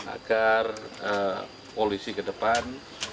agar polisi ke depan